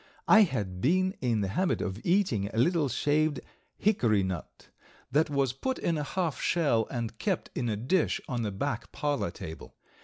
I had been in the habit of eating a little shaved hickorynut that was put in a half shell and kept in a dish on the back parlor table.